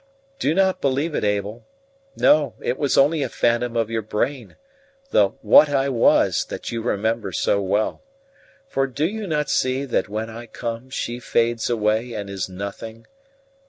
"Do not believe it, Abel; no, that was only a phantom of your brain, the What I was that you remember so well. For do you not see that when I come she fades away and is nothing?